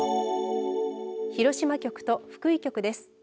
広島局と福井局です。